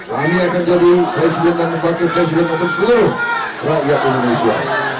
kami akan jadi presiden dan memakai presiden untuk seluruh rakyat indonesia